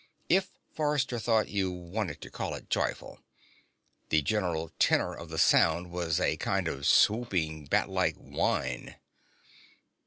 If, Forrester thought, you wanted to call it joyful. The general tenor of the sound was a kind of swooping, batlike whine.